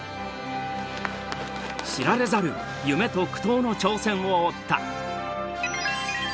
知られざる夢と苦闘の挑戦を追った。